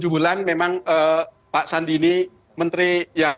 tujuh bulan memang pak sandi ini benar benar